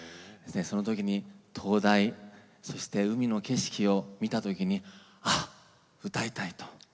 その時に灯台そして海の景色を見た時にああ歌いたいと。